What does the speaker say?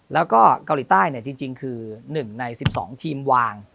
แล้วก็เกาหลีใต้จริงคือ๑ใน๑๒ทีมวาง